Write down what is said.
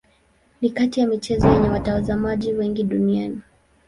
Ni kati ya michezo yenye watazamaji wengi duniani.